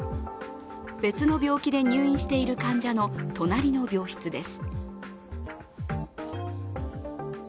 別の病気で入院している患者の隣の病室です。